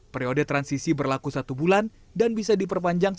periode transisi berlaku satu bulan dan bisa diperpanjang